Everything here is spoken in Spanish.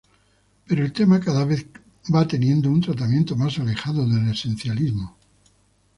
Pero el tema cada vez va teniendo un tratamiento más alejado del esencialismo.